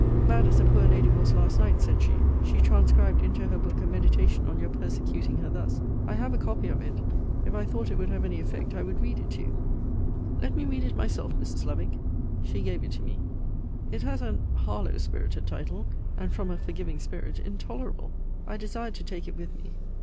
Bad as the poor lady was last night, said she, she transcribed into her book a meditation on your persecuting her thus. I have a copy of it. If I thought it would have any effect, I would read it to you. Let me read it myself, Mrs. Lovick. She gave it to me. It has an Harlowe spirited title: and, from a forgiving spirit, intolerable. I desired to take it with me.